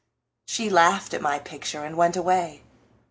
She laughed at my picture and went away.